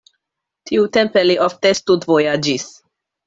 Tiutempe li ofte studvojaĝis.